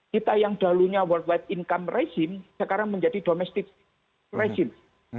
kita yang dahulunya world wide income regime sekarang menjadi domestic regime